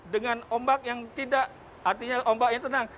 dengan ombak yang tidak artinya ombak yang tenang